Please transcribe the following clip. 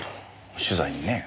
取材にね。